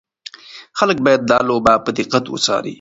خلک باید دا لوبه په دقت وڅاري.